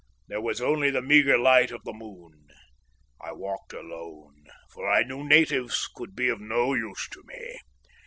There was only the meagre light of the moon. I walked alone, for I knew natives could be of no use to me.